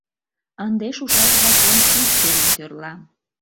Ынде шушаш закон ик семын тӧрла.